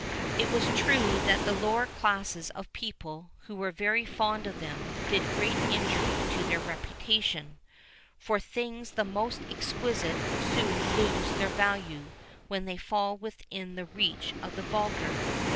[VIII 22] It is true that the lower classes of people, who were very fond of them, did great injury to their reputation; for things the most exquisite soon lose their value when they fall within the reach of the vulgar.